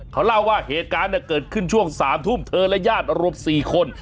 เขาเล่าว่าเหตุการณ์เกิดขึ้นช่วง๓ทุ่มเธอและญาติรวม๔คน